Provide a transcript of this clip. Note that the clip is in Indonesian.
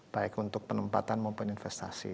baik untuk penempatan maupun investasi